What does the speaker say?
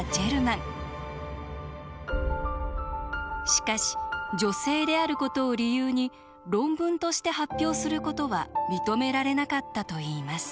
しかし女性であることを理由に論文として発表することは認められなかったといいます。